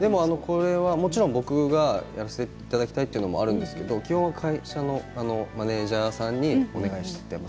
これはもちろん僕がやらせていただきたいということもあるんですけれど基本、会社のマネージャーさんにお願いしています。